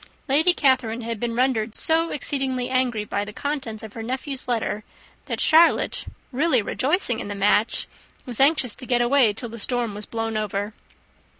Lady Catherine had been rendered so exceedingly angry by the contents of her nephew's letter, that Charlotte, really rejoicing in the match, was anxious to get away till the storm was blown over.